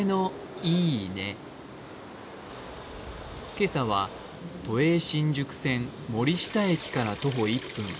今朝は都営新宿線森下駅から徒歩１分。